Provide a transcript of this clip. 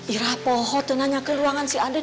irah pohon ternyata ke ruangan si aden